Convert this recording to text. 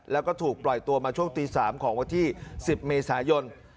แล้วก็ถูกปล่อยตัวมาช่วงตี๓ของวันที่๑๐เมษายน